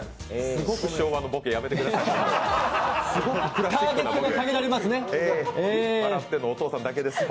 すごく昭和のボケやめてくださいよ。